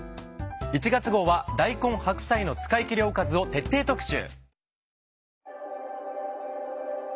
１月号は大根・白菜の使い切りおかずを徹底特集。